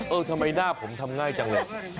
เออทำไมหน้าผมทำง่ายจังเลย